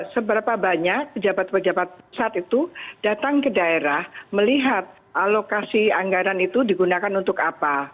seberapa banyak pejabat pejabat pusat itu datang ke daerah melihat alokasi anggaran itu digunakan untuk apa